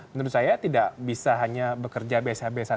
menurut saya tidak bisa hanya bekerja biasa biasa saja